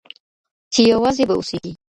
چي یوازي به اوسېږې